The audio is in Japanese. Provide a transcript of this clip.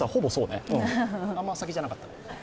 あまり先じゃなかった。